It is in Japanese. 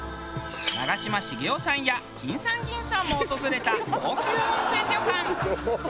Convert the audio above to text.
長嶋茂雄さんやきんさんぎんさんも訪れた高級温泉旅館。